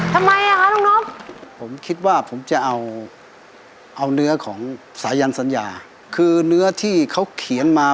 ทำไมอ่ะคะลูกนกผมคิดว่าผมจะเอาเอาเนื้อของสายันสัญญาคือเนื้อที่เขาเขียนมา